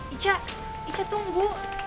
ica ica tunggu